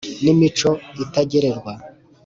n ' imico itagererwa,